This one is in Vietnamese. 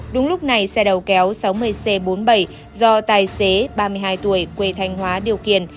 đúng lúc này xe đầu kéo sáu mươi c bốn mươi bảy do tài xế ba mươi hai tuổi quê thanh hóa điều khiển